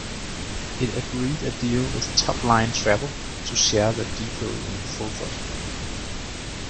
It agreed a deal with Top Line Travel to share their depot in Fulford.